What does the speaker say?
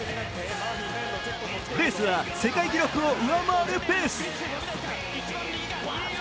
レースは世界記録を上回るペース。